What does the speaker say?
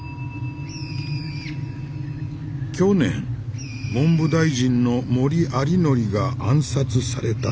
「去年文部大臣の森有礼が暗殺された。